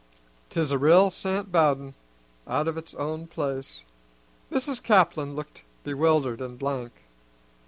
'Tis a real Sant Bowden, out of its own place." Mrs. Caplin looked bewildered and blank.